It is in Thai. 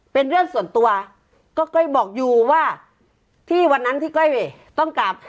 เป็นเรื่องส่วนตัวก็ก้อยบอกอยู่ว่าที่วันนั้นที่ก้อยต้องกลับ